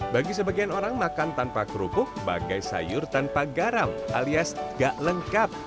bagi sebagian orang makan tanpa kerupuk bagai sayur tanpa garam alias gak lengkap